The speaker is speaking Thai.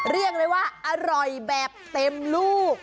เรียกได้ว่าอร่อยแบบเต็มลูก